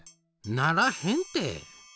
ならへんて！